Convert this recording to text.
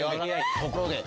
ところで。